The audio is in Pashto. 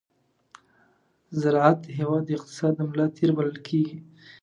ز راعت د هېواد د اقتصاد د ملا تېر بلل کېږي.